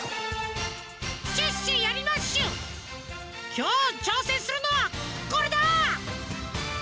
きょうちょうせんするのはこれだ！